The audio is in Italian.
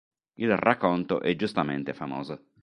Il racconto è giustamente famoso.